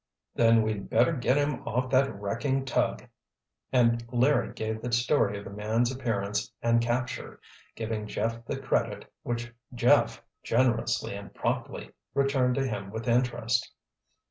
"Then we'd better get him off that wrecking tug," and Larry gave the story of the man's appearance and capture, giving Jeff the credit which Jeff, generously and promptly, returned to him with interest.